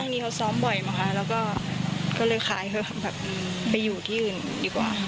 ช่วงนี้เขาซ้อมบ่อยมาค่ะแล้วก็ก็เลยขายไปอยู่ที่อื่นดีกว่า